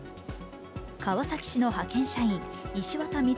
川崎市の派遣社員石渡道歳